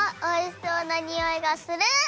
おいしそうなにおいがする！